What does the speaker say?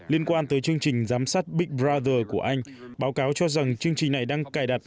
liên quan tới chương trình giám sát big brazer của anh báo cáo cho rằng chương trình này đang cài đặt